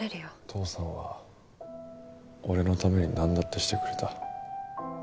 父さんは俺のためになんだってしてくれた。